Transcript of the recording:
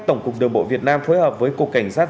tổng cục đường bộ việt nam phối hợp với cục cảnh sát